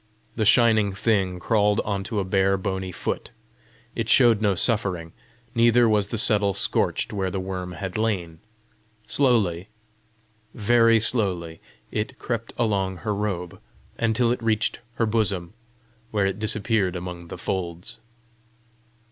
The shining thing crawled on to a bare bony foot: it showed no suffering, neither was the settle scorched where the worm had lain. Slowly, very slowly, it crept along her robe until it reached her bosom, where it disappeared among the folds.